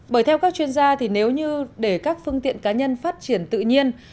bởi theo các chuyên gia thì nếu như để các phương tiện cá nhân phát triển tự nhiên